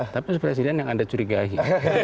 tapi presiden yang anda curigai